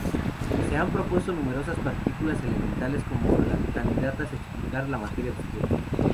Se han propuesto numerosas partículas elementales como candidatas a explicar la materia oscura.